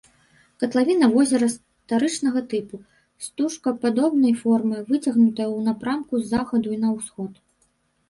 Катлавіна возера старычнага тыпу, стужкападобнай формы, выцягнутая ў напрамку з захаду на ўсход.